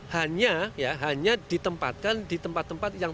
hanya ya hanya ditempatkan di tempat tempat yang